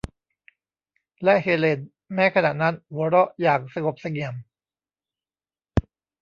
และเฮเลน แม้ขณะนั้น หัวเราะอย่างสงบเสงี่ยม